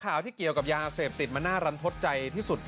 ข่าวที่เกี่ยวกับยาเสพติดมันน่ารันทดใจที่สุด